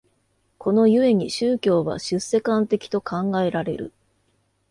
この故に宗教は出世間的と考えられる。